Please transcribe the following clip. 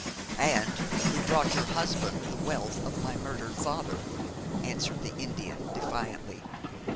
'And who brought your husband the wealth of my murdered father,' answered the Indian, defiantly.